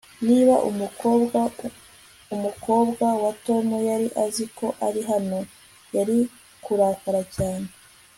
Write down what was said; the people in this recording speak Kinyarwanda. Niba umukobwa wumukobwa wa Tom yari azi ko ari hano yari kurakara cyane